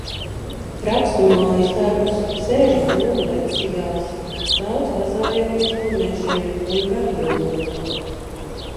Rakstu mājasdarbus, sēžu "Zūm" lekcijās. Daudz vazājamies pa mežiem un gar jūru.